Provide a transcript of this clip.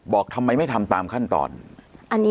บอกทำไมไม่ทำตามขั้นตอน